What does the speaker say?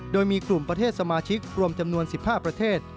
โดยมีกลุ่มประเทศสมาชิกรวมจำนวน๑๕ประเทศ